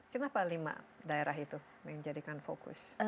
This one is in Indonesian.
kenapa lima daerah itu yang jadikan fokus